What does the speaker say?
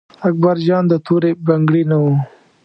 اکبر جان د تورې بنګړي نه و.